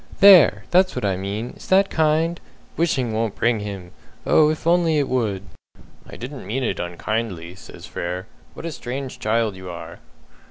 "There! That's what I mean! Is that kind? 'Wishing won't bring him!' Oh, if it only would!" "I didn't mean it unkindly," says Frere. "What a strange child you are."